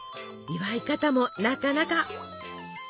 祝い方もなかなか！